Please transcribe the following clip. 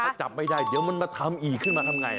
ถ้าจับไม่ได้เดี๋ยวมันมาทำอีกขึ้นมาทำไง